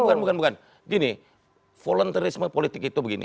bukan bukan bukan gini voluntarisme politik itu begini